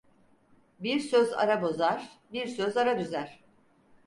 Bir söz ara bozar, bir söz ara düzer.